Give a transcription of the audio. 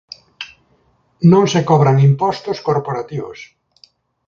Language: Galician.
Non se cobran impostos corporativos.